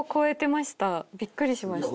びっくりしました。